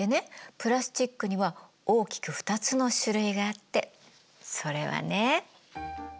プラスチックには大きく２つの種類があってそれはね